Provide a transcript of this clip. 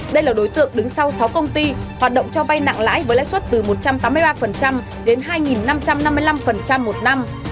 đây là đối tượng đứng sau sáu công ty hoạt động cho vay nặng lãi với lẽ suất từ một trăm tám mươi ba đến hai năm trăm năm mươi năm một năm